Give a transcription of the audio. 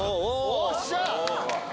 よっしゃ！